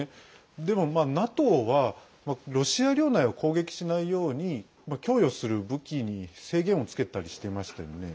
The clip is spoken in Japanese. でも、ＮＡＴＯはロシア領内を攻撃しないように供与する武器に制限をつけたりしてましたよね。